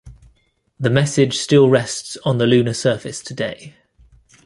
The message still rests on the lunar surface today.